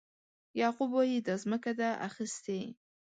یعقوب وایي دا ځمکه ده اخیستې.